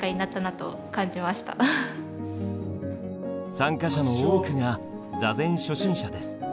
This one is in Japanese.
参加者の多くが座禅初心者です。